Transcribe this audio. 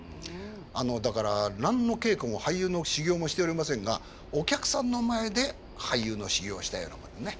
あのだから何の稽古も俳優の修業もしておりませんがお客さんの前で俳優の修業をしたようなものでね。